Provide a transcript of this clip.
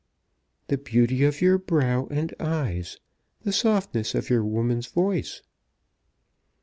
"The beauty of your brow and eyes, the softness of your woman's voice."